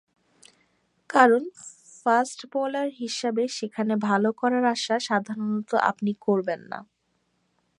কারণ, fast bowler হিসেবে সেখানে ভালো করার আশা সাধারণত আপনি করবেন না।